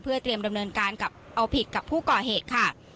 เตรียมดำเนินการกับเอาผิดกับผู้ก่อเหตุค่ะ